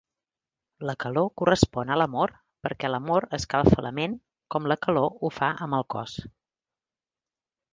La calor correspon a l'amor perquè l'amor escalfa la ment com la calor ho fa amb el cos.